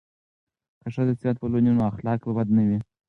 که ښځې سیرت ولولي نو اخلاق به بد نه وي.